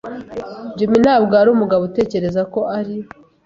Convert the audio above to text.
Jim ntabwo ari umugabo utekereza ko ari.